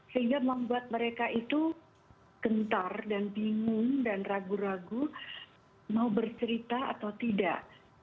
sehingga membuat mereka itu gentar dan bingung dan ragu ragu mau bercerita atau tidak